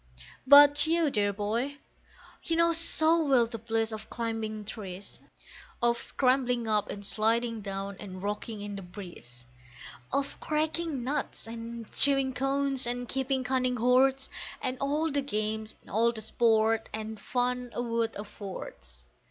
But you, dear boy, you know so well the bliss of climbing trees, Of scrambling up and sliding down, and rocking in the breeze, Of cracking nuts and chewing cones, and keeping cunning hoards, And all the games and all the sport and fun a wood affords.